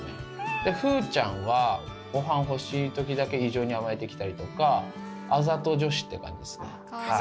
で風ちゃんは御飯欲しい時だけ異常に甘えてきたりとかあざと女子って感じですねはい。